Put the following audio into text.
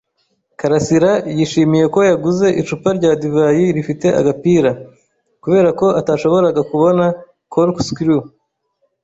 karasira yishimiye ko yaguze icupa rya divayi rifite agapira, kubera ko atashoboraga kubona corkscrew.